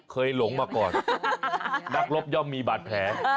หลงมาก่อนนักรบย่อมมีบาดแผล